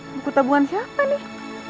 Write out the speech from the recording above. buku tabungan siapa nek